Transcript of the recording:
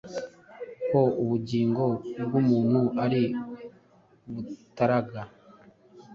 ko ubugingo bw’umuntu ari butaraga.